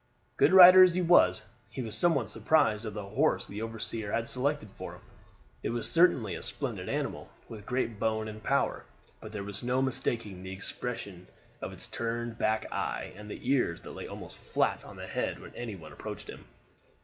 Good rider as he was he was somewhat surprised at the horse the overseer had selected for him. It was certainly a splendid animal, with great bone and power; but there was no mistaking the expression of its turned back eye, and the ears that lay almost flat on the head when any one approached him.